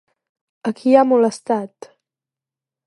A qui ha molestat?